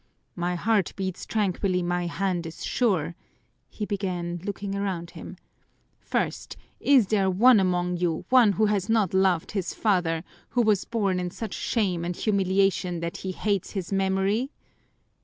"My heart beats tranquilly, my hand is sure," he began, looking around him. "First, is there one among you, one who has not loved his father, who was born in such shame and humiliation that he hates his memory?